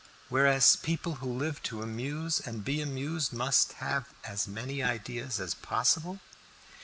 "Whereas people who live to amuse and be amused must have as many ideas as possible."